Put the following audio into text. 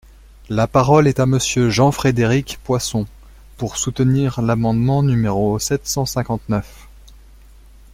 La parole est à Monsieur Jean-Frédéric Poisson, pour soutenir l’amendement numéro sept cent cinquante-neuf.